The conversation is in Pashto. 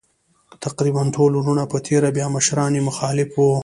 تقریباً ټول وروڼه په تېره بیا مشران یې مخالف وو.